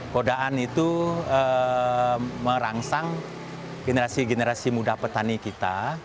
kodaan itu merangsang generasi generasi muda petani kita